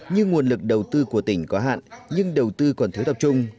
như nguồn lực đầu tư của tỉnh có hạn nhưng đầu tư còn thiếu tập trung